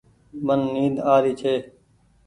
من نيد آري ڇي ۔